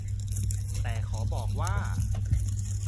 แต่ขอบอกว่า